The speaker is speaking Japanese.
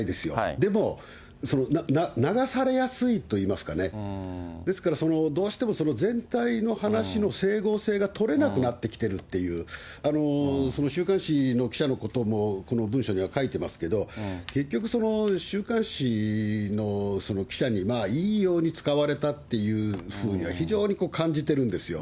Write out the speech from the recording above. でも、流されやすいといいますかね、ですから、どうしても全体の話の整合性が取れなくなってきてるっていう、週刊誌の記者のことも、この文書には書いてますけど、結局、週刊誌の記者に、いいように使われたというふうには、非常に感じてるんですよ。